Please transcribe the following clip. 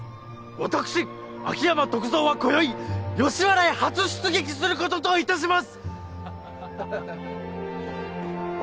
私秋山篤蔵は今宵吉原へ初出撃することといたします！